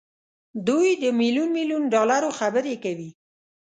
دوی د ميليون ميليون ډالرو خبرې کوي.